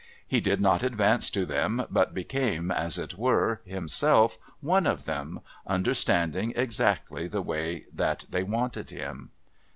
He did not advance to them but became, as it were, himself one of them, understanding exactly the way that they wanted him.